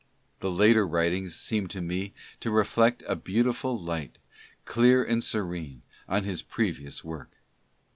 The later writings seem to me to reflect a beautiful light — clear and serene — on his previous work.